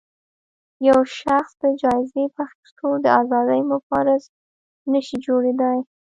يو شخص د جايزې په اخیستو د ازادۍ مبارز نه شي جوړېدای